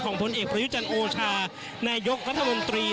ของผลเอกพระยุจรรย์โอชานายกรัฐมนตรี